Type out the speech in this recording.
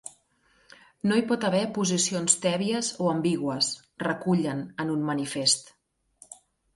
No hi pot haver posicions tèbies o ambigües, recullen en un manifest.